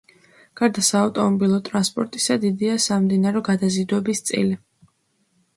გარდა საავტომობილო ტრანსპორტისა, დიდია სამდინარო გადაზიდვების წილი.